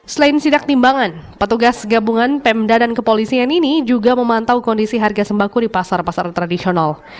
selain sidak timbangan petugas gabungan pemda dan kepolisian ini juga memantau kondisi harga sembako di pasar pasar tradisional